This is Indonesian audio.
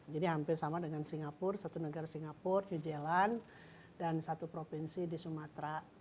jadi hampir sama dengan singapura satu negara singapura new zealand dan satu provinsi di sumatera